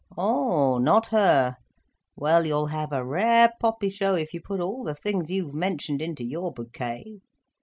"Oh, not her? Well you'll have a rare poppy show if you put all the things you've mentioned into your bouquet."